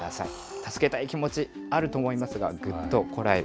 助けたい気持ち、あると思いますが、ぐっとこらえる。